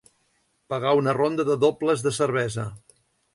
Pagar una ronda de dobles de cervesa.